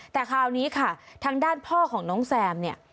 แต่คราวนี้ค่ะทางด้านพ่อของน้องแซมเนี่ย